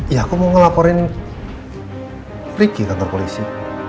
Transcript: ya aku mau ngelaporin ricky kantor polisi